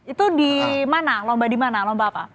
itu di mana lomba di mana lomba apa